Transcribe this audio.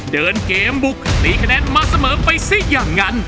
เดินเกมบุกตีคะแนนมาเสมอไปซะอย่างนั้น